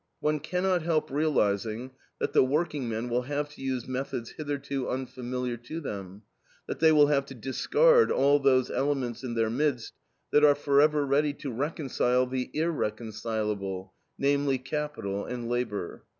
One cannot help realizing that the workingmen will have to use methods hitherto unfamiliar to them; that they will have to discard all those elements in their midst that are forever ready to reconcile the irreconcilable, namely Capital and Labor.